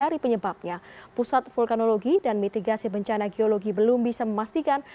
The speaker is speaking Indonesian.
dari penyebabnya pusat vulkanologi dan mitigasi bencana geologi belum bisa memastikan